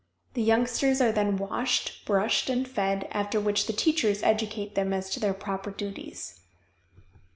The youngsters are then washed, brushed, and fed, after which the teachers educate them as to their proper duties.